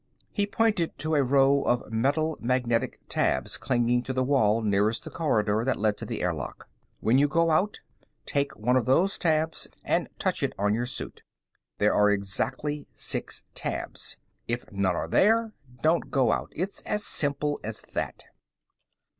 He pointed to a row of metal magnetic tabs clinging to the wall nearest the corridor that led to the airlock. "When you go out, take one of those tabs and touch it on your suit. There are exactly six tabs. If none are there, don't go out. It's as simple as that."